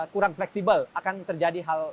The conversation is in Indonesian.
kurang fleksibel akan terjadi